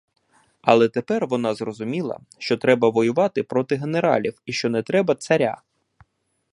Але тепер вона зрозуміла, що треба воювати проти генералів і що не треба царя.